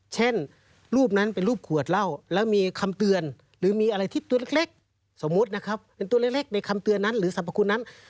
เช่นรูปนั้นเป็นรูปขวดเหล้าแล้วมีคำเตือนหรือมีอะไรที่ตัวเล็กสมมุตินะครับเป็นตัวเล็กในคำเตือนนั้นหรือสรรพคุณนั้น